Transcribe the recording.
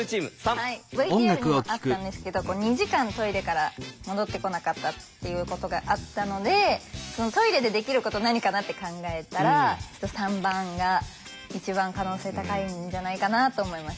ＶＴＲにもあったんですけど２時間トイレから戻ってこなかったっていうことがあったのでトイレでできること何かなって考えたら３番が一番可能性高いんじゃないかなと思いました。